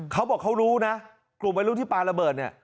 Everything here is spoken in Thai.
เขาบอกเขารู้นะกลุ่มวัยรุ่นที่ปลาระเบิดเนี่ย